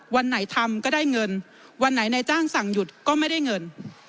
วันไหนทำก็ได้เงินวันไหนนายจ้างสั่งหยุดก็ไม่ได้เงิน